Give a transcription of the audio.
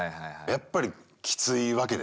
やっぱりきついわけでしょ？